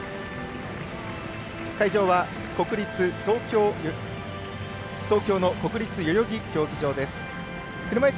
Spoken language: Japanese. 会場は東京の国立代々木競技場です。